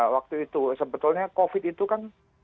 waktu itu sebetulnya covid itu kan